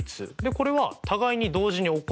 これは互いに同時に起こらない